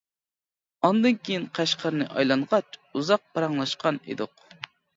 ئاندىن كېيىن قەشقەرنى ئايلانغاچ ئۇزاق پاراڭلاشقان ئىدۇق.